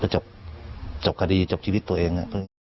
แล้วก็จบคดีจบชีวิตตัวเอง